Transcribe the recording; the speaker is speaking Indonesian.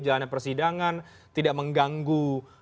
jalannya persidangan tidak mengganggu